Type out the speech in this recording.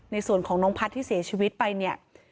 ในส่วนของน้องพัฒน์ที่เสียชีวิตไปเนี่ย